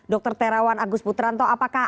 dr terawan agus putranto apakah